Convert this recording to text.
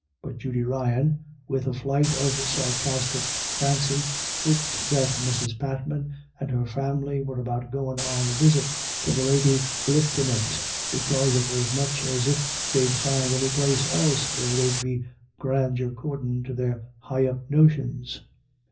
But Judy Ryan with a flight of sarcastic fancy hoped that Mrs. Patman and her family were about goin* on a visit to the Lady Lifftinant, be cause it was much if they'd find any place else where there' d be grandeur accordin' to their high up notions.